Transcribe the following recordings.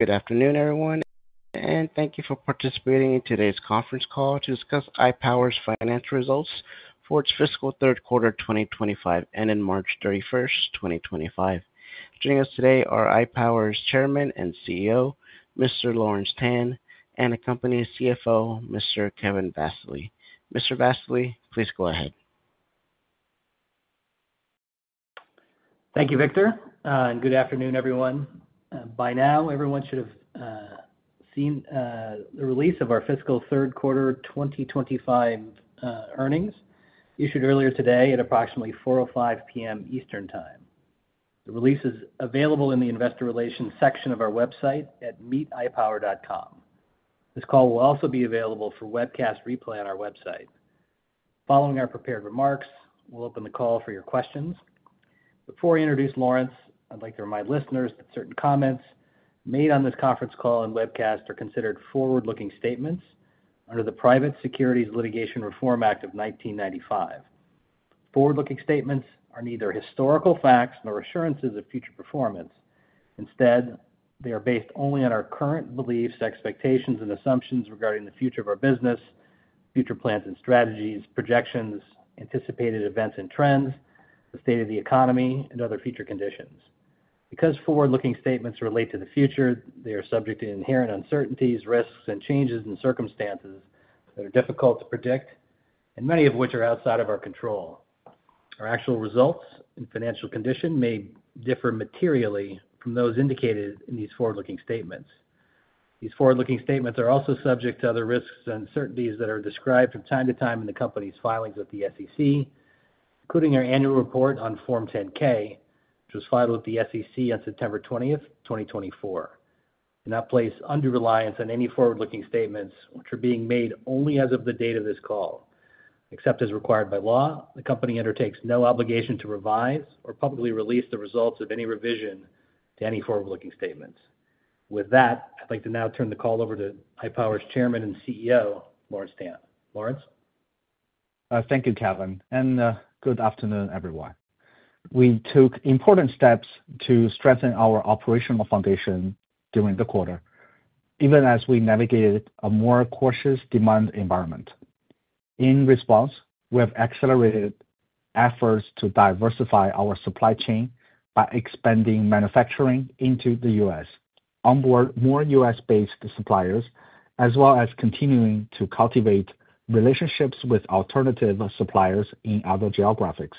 Good afternoon, everyone, and thank you for participating in today's conference call to discuss iPower's financial results for its fiscal third quarter of 2025 and ended March 31, 2025. Joining us today are iPower's Chairman and CEO, Mr. Lawrence Tan, and the company's CFO, Mr. Kevin Vassily. Mr. Vassily, please go ahead. Thank you, Victor. Good afternoon, everyone. By now, everyone should have seen the release of our fiscal third quarter 2025 earnings issued earlier today at approximately 4:05 P.M. Eastern Time. The release is available in the Investor Relations section of our website at meetipower.com. This call will also be available for webcast replay on our website. Following our prepared remarks, we'll open the call for your questions. Before I introduce Lawrence, I'd like to remind listeners that certain comments made on this conference call and webcast are considered forward-looking statements under the Private Securities Litigation Reform Act of 1995. Forward-looking statements are neither historical facts nor assurances of future performance. Instead, they are based only on our current beliefs, expectations, and assumptions regarding the future of our business, future plans and strategies, projections, anticipated events and trends, the state of the economy, and other future conditions. Because forward-looking statements relate to the future, they are subject to inherent uncertainties, risks, and changes in circumstances that are difficult to predict, and many of which are outside of our control. Our actual results and financial condition may differ materially from those indicated in these forward-looking statements. These forward-looking statements are also subject to other risks and uncertainties that are described from time to time in the company's filings with the SEC, including our annual report on Form 10-K, which was filed with the SEC on September 20th, 2024. In that place, under reliance on any forward-looking statements, which are being made only as of the date of this call, except as required by law, the company undertakes no obligation to revise or publicly release the results of any revision to any forward-looking statements. With that, I'd like to now turn the call over to iPower's Chairman and CEO, Lawrence Tan. Lawrence. Thank you, Kevin, and good afternoon, everyone. We took important steps to strengthen our operational foundation during the quarter, even as we navigated a more cautious demand environment. In response, we have accelerated efforts to diversify our supply chain by expanding manufacturing into the U.S., onboard more U.S.-based suppliers, as well as continuing to cultivate relationships with alternative suppliers in other geographics.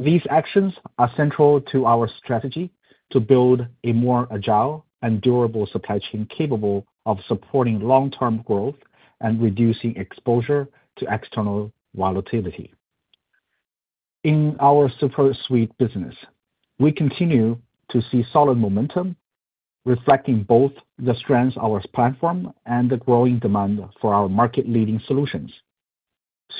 These actions are central to our strategy to build a more agile and durable supply chain capable of supporting long-term growth and reducing exposure to external volatility. In our SuperSuite business, we continue to see solid momentum, reflecting both the strengths of our platform and the growing demand for our market-leading solutions.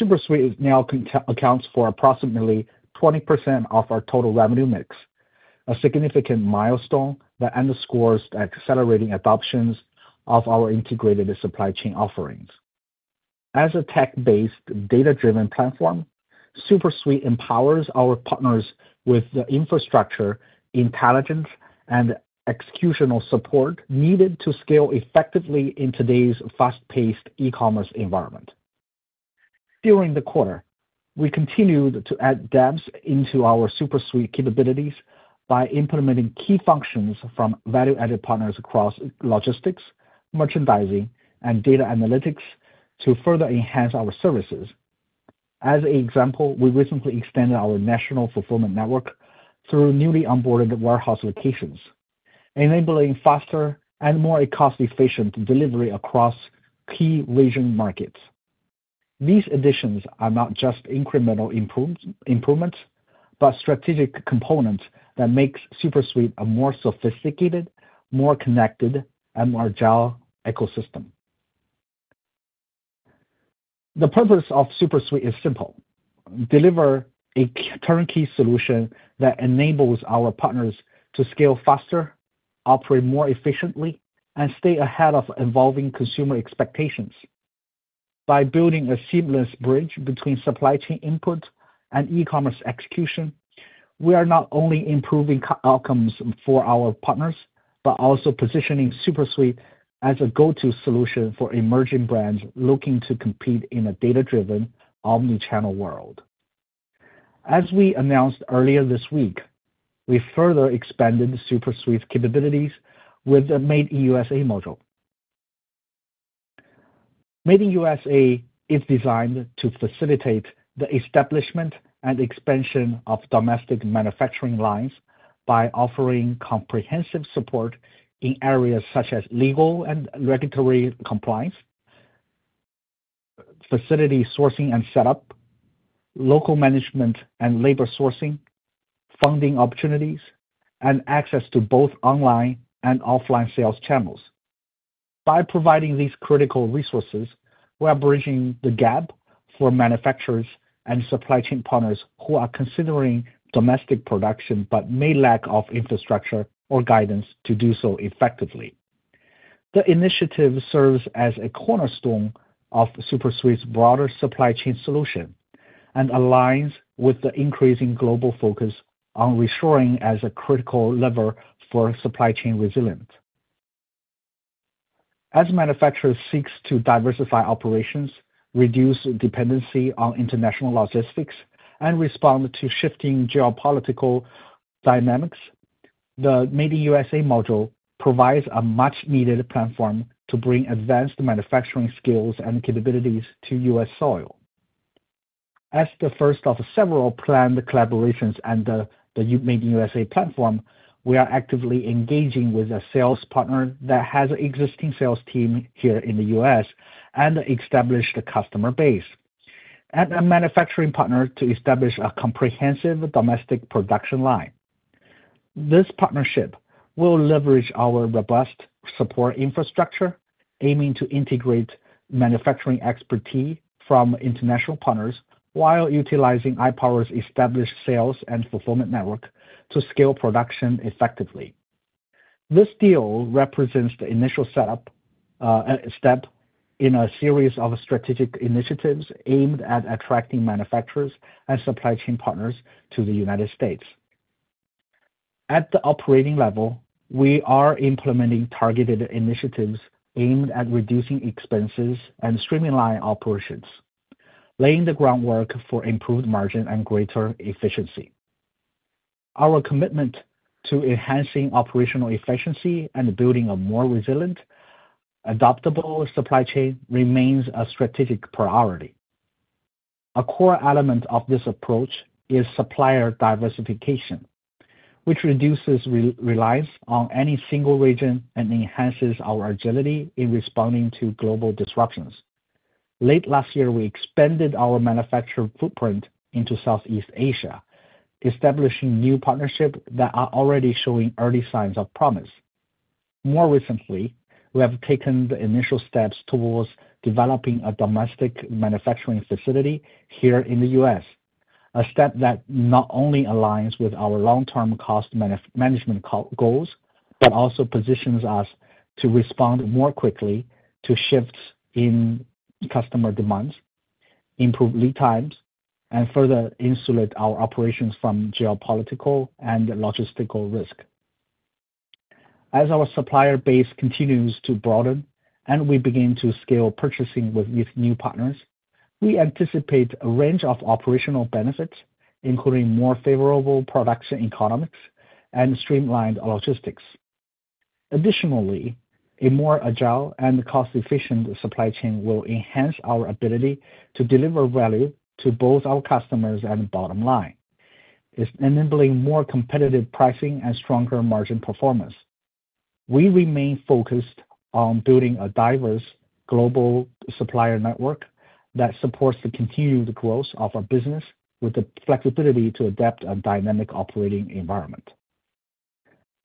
SuperSuite now accounts for approximately 20% of our total revenue mix, a significant milestone that underscores the accelerating adoptions of our integrated supply chain offerings. As a tech-based, data-driven platform, SuperSuite empowers our partners with the infrastructure, intelligence, and executional support needed to scale effectively in today's fast-paced e-commerce environment. During the quarter, we continued to add depth into our SuperSuite capabilities by implementing key functions from value-added partners across logistics, merchandising, and data analytics to further enhance our services. As an example, we recently extended our national fulfillment network through newly onboarded warehouse locations, enabling faster and more cost-efficient delivery across key region markets. These additions are not just incremental improvements but strategic components that make SuperSuite a more sophisticated, more connected, and more agile ecosystem. The purpose of SuperSuite is simple: deliver a turnkey solution that enables our partners to scale faster, operate more efficiently, and stay ahead of evolving consumer expectations. By building a seamless bridge between supply chain input and e-commerce execution, we are not only improving outcomes for our partners but also positioning SuperSuite as a go-to solution for emerging brands looking to compete in a data-driven, omnichannel world. As we announced earlier this week, we further expanded SuperSuite's capabilities with the Made in USA module. Made in USA is designed to facilitate the establishment and expansion of domestic manufacturing lines by offering comprehensive support in areas such as legal and regulatory compliance, facility sourcing and setup, local management and labor sourcing, funding opportunities, and access to both online and offline sales channels. By providing these critical resources, we are bridging the gap for manufacturers and supply chain partners who are considering domestic production but may lack infrastructure or guidance to do so effectively. The initiative serves as a cornerstone of SuperSuite's broader supply chain solution and aligns with the increasing global focus on reshoring as a critical lever for supply chain resilience. As manufacturers seek to diversify operations, reduce dependency on international logistics, and respond to shifting geopolitical dynamics, the Made in USA module provides a much-needed platform to bring advanced manufacturing skills and capabilities to U.S. soil. As the first of several planned collaborations and the Made in USA platform, we are actively engaging with a sales partner that has an existing sales team here in the U.S. and established a customer base and a manufacturing partner to establish a comprehensive domestic production line. This partnership will leverage our robust support infrastructure, aiming to integrate manufacturing expertise from international partners while utilizing iPower's established sales and fulfillment network to scale production effectively. This deal represents the initial step in a series of strategic initiatives aimed at attracting manufacturers and supply chain partners to the United States. At the operating level, we are implementing targeted initiatives aimed at reducing expenses and streamlining operations, laying the groundwork for improved margin and greater efficiency. Our commitment to enhancing operational efficiency and building a more resilient, adaptable supply chain remains a strategic priority. A core element of this approach is supplier diversification, which reduces reliance on any single region and enhances our agility in responding to global disruptions. Late last year, we expanded our manufacturing footprint into Southeast Asia, establishing new partnerships that are already showing early signs of promise. More recently, we have taken the initial steps towards developing a domestic manufacturing facility here in the U.S., a step that not only aligns with our long-term cost management goals but also positions us to respond more quickly to shifts in customer demands, improve lead times, and further insulate our operations from geopolitical and logistical risk. As our supplier base continues to broaden and we begin to scale purchasing with new partners, we anticipate a range of operational benefits, including more favorable production economics and streamlined logistics. Additionally, a more agile and cost-efficient supply chain will enhance our ability to deliver value to both our customers and bottom line, enabling more competitive pricing and stronger margin performance. We remain focused on building a diverse global supplier network that supports the continued growth of our business with the flexibility to adapt to a dynamic operating environment.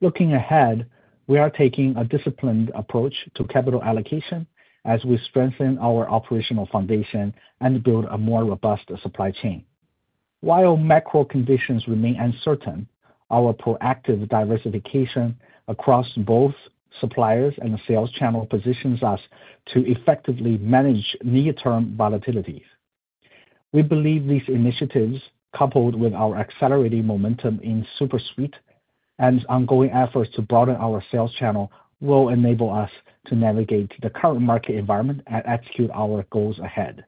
Looking ahead, we are taking a disciplined approach to capital allocation as we strengthen our operational foundation and build a more robust supply chain. While macro conditions remain uncertain, our proactive diversification across both suppliers and sales channel positions us to effectively manage near-term volatilities. We believe these initiatives, coupled with our accelerating momentum in SuperSuite and ongoing efforts to broaden our sales channel, will enable us to navigate the current market environment and execute our goals ahead.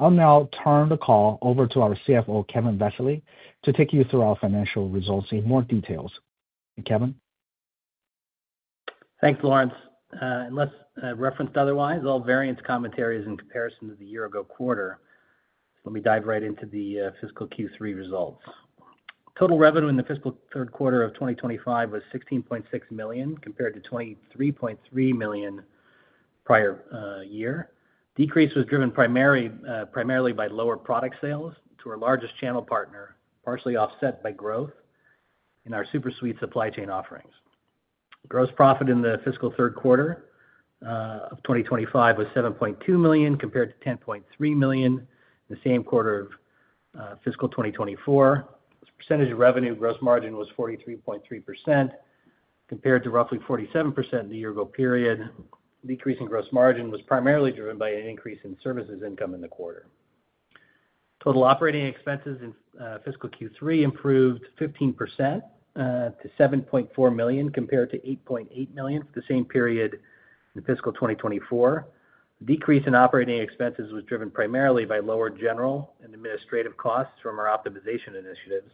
I'll now turn the call over to our CFO, Kevin Vassily, to take you through our financial results in more detail. Kevin. Thanks, Lawrence. Unless referenced otherwise, all variance commentary is in comparison to the year-ago quarter. Let me dive right into the fiscal Q3 results. Total revenue in the fiscal third quarter of 2025 was $16.6 million compared to $23.3 million prior year. Decrease was driven primarily by lower product sales to our largest channel partner, partially offset by growth in our SuperSuite supply chain offerings. Gross profit in the fiscal third quarter of 2025 was $7.2 million compared to $10.3 million in the same quarter of fiscal 2024. Percentage of revenue, gross margin was 43.3% compared to roughly 47% in the year-ago period. Decrease in gross margin was primarily driven by an increase in services income in the quarter. Total operating expenses in fiscal Q3 improved 15% to $7.4 million compared to $8.8 million for the same period in fiscal 2024. Decrease in operating expenses was driven primarily by lower general and administrative costs from our optimization initiatives,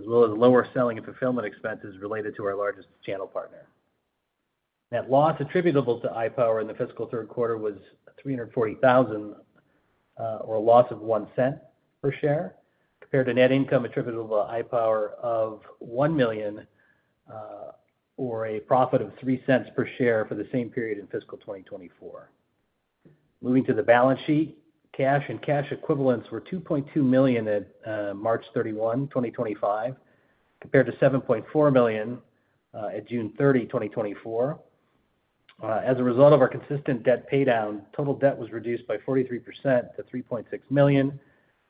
as well as lower selling and fulfillment expenses related to our largest channel partner. Net loss attributable to iPower in the fiscal third quarter was $340,000 or a loss of $0.01 per share compared to net income attributable to iPower of $1 million or a profit of $0.03 per share for the same period in fiscal 2024. Moving to the balance sheet, cash and cash equivalents were $2.2 million at March 31, 2025, compared to $7.4 million at June 30, 2024. As a result of our consistent debt paydown, total debt was reduced by 43% to $3.6 million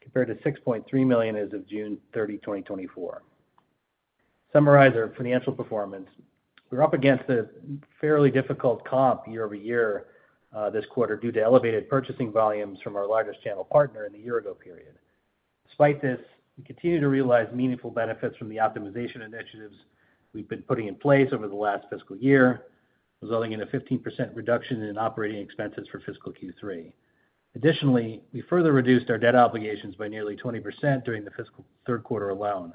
compared to $6.3 million as of June 30, 2024. Summarizing our financial performance, we're up against a fairly difficult comp year-over-year this quarter due to elevated purchasing volumes from our largest channel partner in the year-ago period. Despite this, we continue to realize meaningful benefits from the optimization initiatives we've been putting in place over the last fiscal year, resulting in a 15% reduction in operating expenses for fiscal Q3. Additionally, we further reduced our debt obligations by nearly 20% during the fiscal third quarter alone,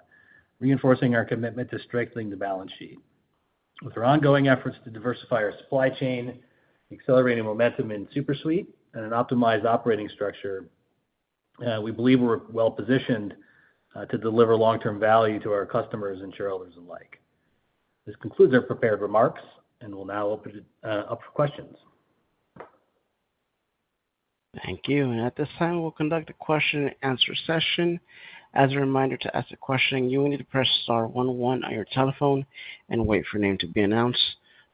reinforcing our commitment to strengthening the balance sheet. With our ongoing efforts to diversify our supply chain, accelerating momentum in SuperSuite, and an optimized operating structure, we believe we're well-positioned to deliver long-term value to our customers and shareholders alike. This concludes our prepared remarks and will now open it up for questions. Thank you. At this time, we will conduct a question-and-answer session. As a reminder, to ask a question, you will need to press star one, one on your telephone and wait for your name to be announced.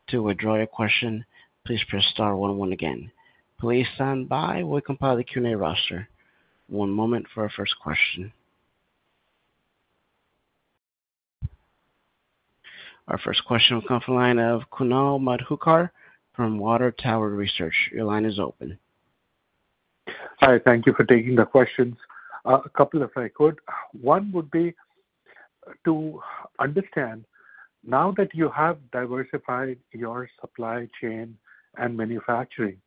To withdraw your question, please press star one, one again. Please stand by. We will compile the Q&A roster. One moment for our first question. Our first question will come from the line of Kunal Madhukar from Water Tower Research. Your line is open. Hi. Thank you for taking the questions. A couple of, if I could. One would be to understand, now that you have diversified your supply chain and manufacturing,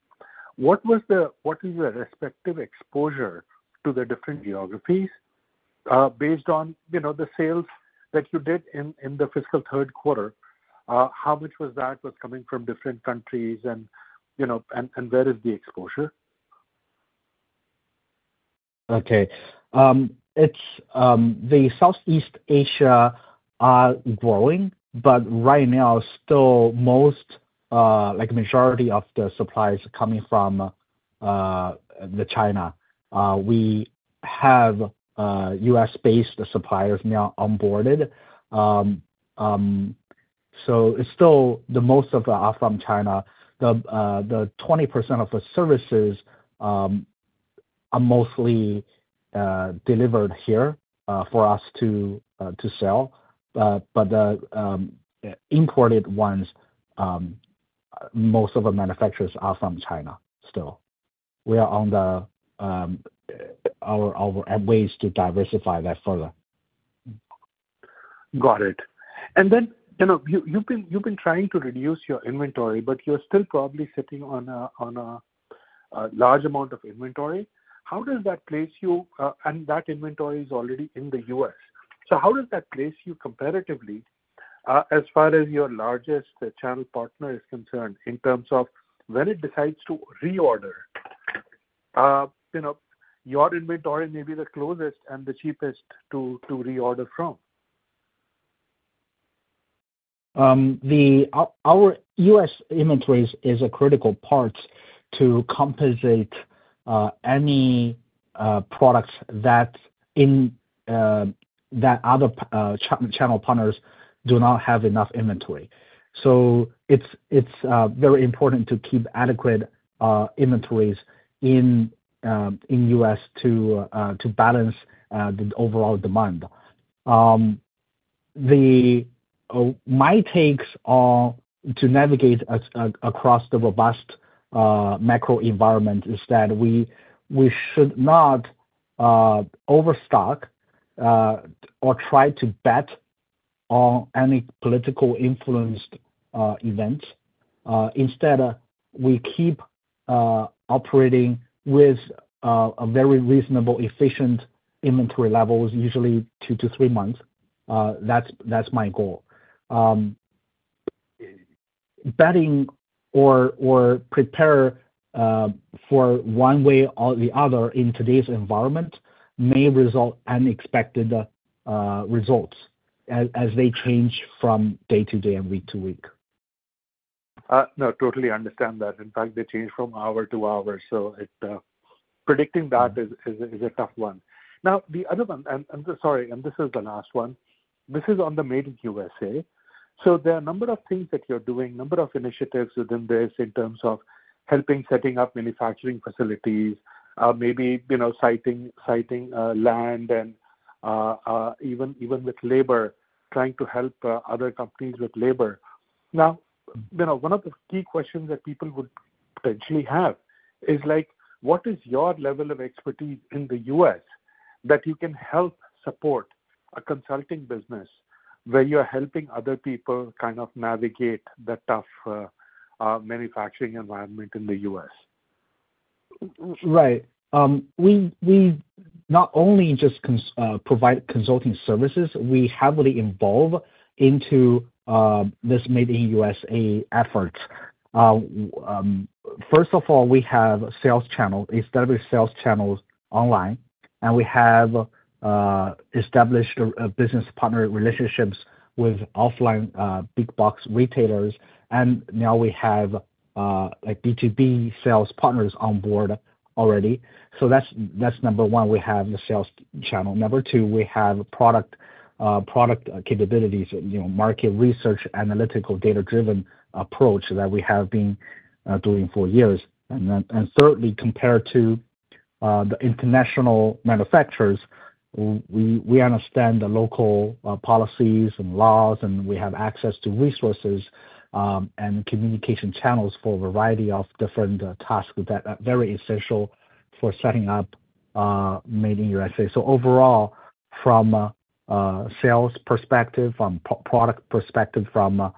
what was the respective exposure to the different geographies based on the sales that you did in the fiscal third quarter? How much was that coming from different countries and where is the exposure? Okay. The Southeast Asia are growing, but right now, still, most, like majority of the suppliers are coming from China. We have U.S.-based suppliers now onboarded. So still, most of them are from China. The 20% of the services are mostly delivered here for us to sell, but the imported ones, most of the manufacturers are from China still. We are on our ways to diversify that further. Got it. You have been trying to reduce your inventory, but you are still probably sitting on a large amount of inventory. How does that place you? That inventory is already in the U.S. How does that place you comparatively as far as your largest channel partner is concerned in terms of when it decides to reorder? Your inventory may be the closest and the cheapest to reorder from. Our U.S. inventory is a critical part to compensate any products that other channel partners do not have enough inventory. It is very important to keep adequate inventories in the U.S. to balance the overall demand. My takes to navigate across the robust macro environment is that we should not overstock or try to bet on any politically influenced events. Instead, we keep operating with very reasonable, efficient inventory levels, usually two to three months. That is my goal. Betting or preparing for one way or the other in today's environment may result in unexpected results as they change from day to day and week to week. No, totally understand that. In fact, they change from hour to hour. Predicting that is a tough one. Now, the other one—sorry, and this is the last one. This is on the Made in USA. There are a number of things that you're doing, a number of initiatives within this in terms of helping set up manufacturing facilities, maybe siting land, and even with labor, trying to help other companies with labor. Now, one of the key questions that people would potentially have is, what is your level of expertise in the U.S. that you can help support a consulting business where you're helping other people kind of navigate the tough manufacturing environment in the U.S.? Right. We not only just provide consulting services, we heavily evolve into this Made in USA effort. First of all, we have established sales channels online, and we have established business partner relationships with offline big box retailers. Now we have B2B sales partners on board already. That's number one. We have the sales channel. Number two, we have product capabilities, market research, analytical data-driven approach that we have been doing for years. Thirdly, compared to the international manufacturers, we understand the local policies and laws, and we have access to resources and communication channels for a variety of different tasks that are very essential for setting up Made in USA. Overall, from a sales perspective, from a product perspective, from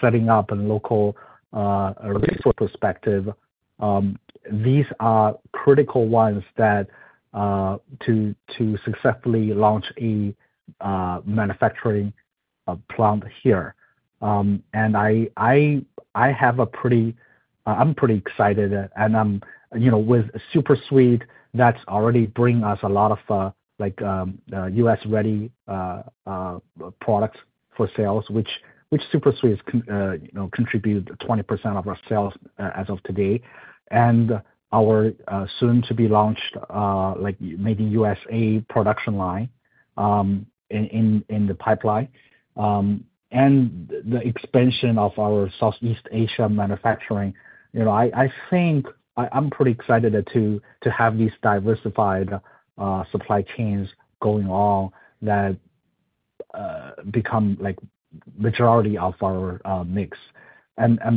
setting up a local resource perspective, these are critical ones to successfully launch a manufacturing plant here. I have a pretty—I'm pretty excited. With SuperSuite, that's already bringing us a lot of U.S.-ready products for sales, which SuperSuite contributes 20% of our sales as of today. Our soon-to-be-launched Made in USA production line is in the pipeline and the expansion of our Southeast Asia manufacturing, I think I'm pretty excited to have these diversified supply chains going on that become the majority of our mix.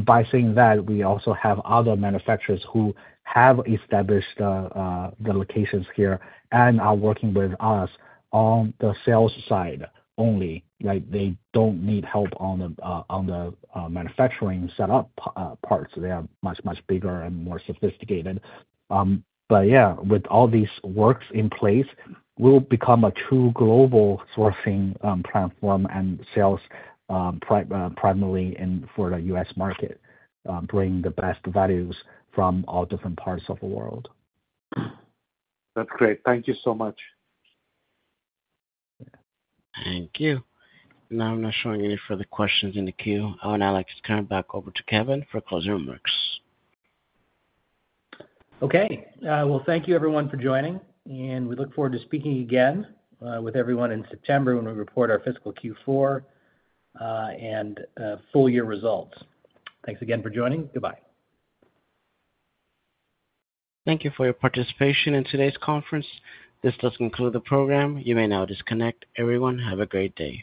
By saying that, we also have other manufacturers who have established the locations here and are working with us on the sales side only. They do not need help on the manufacturing setup parts. They are much, much bigger and more sophisticated. With all these works in place, we will become a true global sourcing platform and sales primarily for the U.S. market, bringing the best values from all different parts of the world. That's great. Thank you so much. Thank you. Now, I'm not showing any further questions in the queue. I would now like to turn it back over to Kevin for closing remarks. Thank you, everyone, for joining. We look forward to speaking again with everyone in September when we report our fiscal Q4 and full-year results. Thanks again for joining. Goodbye. Thank you for your participation in today's conference. This does conclude the program. You may now disconnect. Everyone, have a great day.